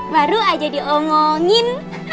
baru aja diongongin